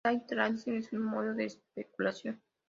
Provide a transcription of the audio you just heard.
El day trading es un modo de especulación.